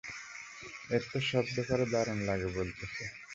এর তো সব ব্যাপারে দারুণ লাগে বলতেছে।